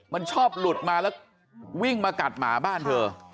มันชอบหลุดมาแล้ววิ่งมากัดหมาบ้านเธอ